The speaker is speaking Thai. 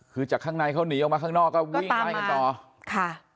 คือจากข้างในเขาหนีออกมาข้างนอกก็วิ่งไล่กันต่อค่ะ